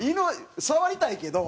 触りたいけど。